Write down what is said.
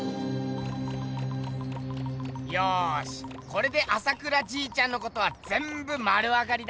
よしこれで朝倉じいちゃんのことはぜんぶ丸わかりだ！